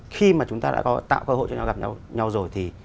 khi mà chúng ta đã tạo cơ hội gặp nhau rồi